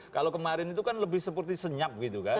kalau kemarin itu kan lebih seperti senyap gitu kan